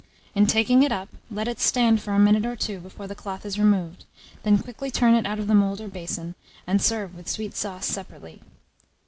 In taking it up, let it stand for a minute or two before the cloth is removed; then quickly turn it out of the mould or basin, and serve with sweet sauce separately.